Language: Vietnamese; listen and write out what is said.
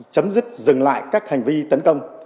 chấm dứt dừng lại các hành vi tấn công